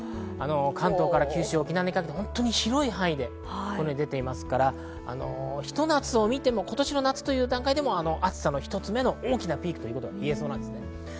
関東から九州、沖縄にかけて広い範囲でこのように出てますから、ひと夏を見ても今年の夏という段階でも暑さの１つ目の大きなピークと言えそうです。